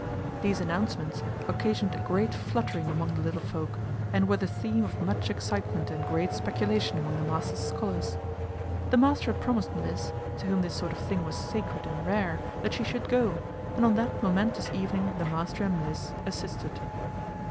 These announcements occasioned a great fluttering among the little folk, and were the theme of much excitement and great speculation among the master's scholars. The master had promised Mliss, to whom this sort of thing was sacred and rare, that she should go, and on that momentous evening the master and Mliss "assisted."